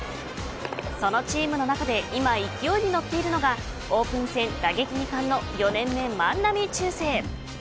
そのチームの中で今勢いに乗っているのがオープン戦打撃二冠の４年目万波中正。